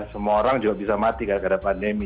semua orang juga bisa mati karena pandemi